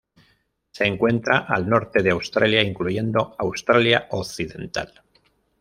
Se encuentra al norte de Australia, incluyendo Australia Occidental.